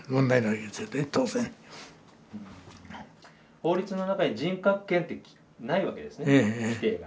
法律の中に人格権ってないわけですね規定が。